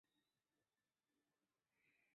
该产物可由水和乙腈重结晶。